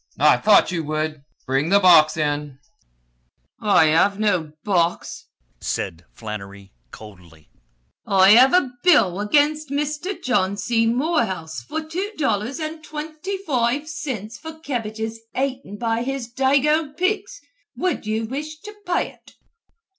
I thought you would! Bring the box in." "I hev no box," said Flannery coldly. "I hev a bill agin Misther John C. Morehouse for two dollars and twinty foive cints for kebbages aten by his dago pigs. Wud you wish to pay ut?"